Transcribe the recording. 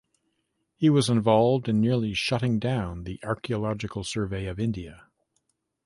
He was involved in nearly shutting down the Archaeological Survey of India.